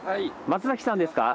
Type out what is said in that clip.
松崎さんですか？